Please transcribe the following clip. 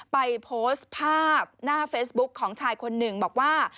ไปโพสต์ภาพหน้าเฟซบุ๊คของชายคนหนึ่งบอกว่า